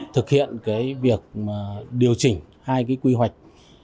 thực hiện việc điều chỉnh hai quy hoạch